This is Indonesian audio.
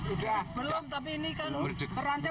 sudah belum tapi ini kan terancam